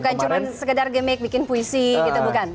bukan cuma sekedar gimmick bikin puisi gitu bukan